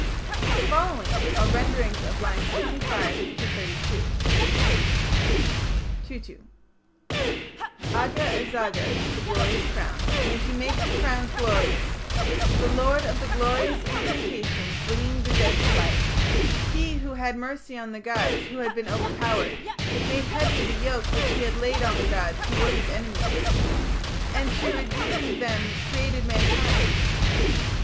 The following are renderings of lines 25 to 32: Tutu: Aga azaga (the glorious crown) may he make the crowns glorious The lord of the glorious incantation bringing the dead to life; He who had mercy on the gods who had been overpowered; Made heavy the yoke which he had laid on the gods who were his enemies, (And) to redeem (?) them created mankind.